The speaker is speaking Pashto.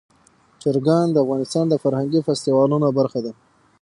چرګان د افغانستان د فرهنګي فستیوالونو برخه ده.